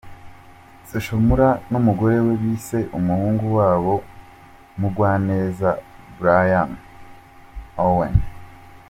Social Mula n’umugore we bise umuhungu w’abo Mugwaneza Brayden Owen.